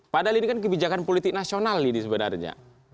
padahal ini kan kebijakan politik nasional ini sebenarnya